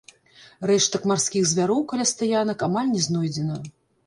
Рэштак марскіх звяроў каля стаянак амаль не знойдзена.